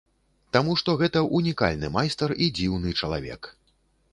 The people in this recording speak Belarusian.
Таму што гэта ўнікальны майстар і дзіўны чалавек.